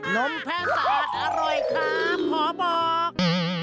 มแพะสะอาดอร่อยครับขอบอก